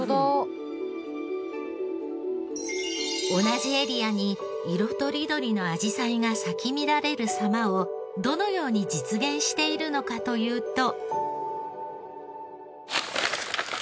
同じエリアに色とりどりのあじさいが咲き乱れる様をどのように実現しているのかというと。